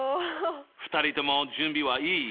２人とも準備はいい？